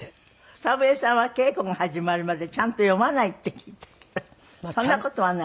草笛さんは稽古が始まるまでちゃんと読まないって聞いたけどそんな事はない？